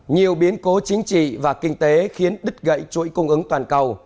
nhiều biến cố chính trị và kinh tế khiến đứt gãy chuỗi cung ứng toàn cầu